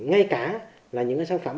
ngay cả là những sản phẩm